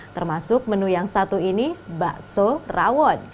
termasuk menu yang satu ini bakso rawon